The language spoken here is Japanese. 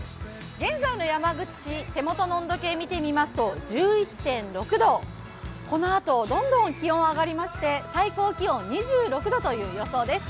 現在の山口市、手元の温度計を見てみますと１１．６度このあとどんどん気温上がりまして最高気温２６度という予想です。